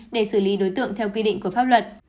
để xử lý đối tượng theo quy định của pháp luật